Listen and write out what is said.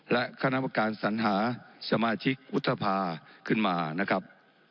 และคณะการสัญหาชมาธิกทุพธามานะครับ